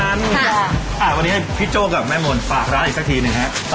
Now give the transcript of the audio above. วันนี้ให้พี่โจ้กับแม่มนต์ฝากร้านอีกสักทีหนึ่งฮะ